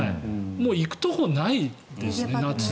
もう行くところないですね夏。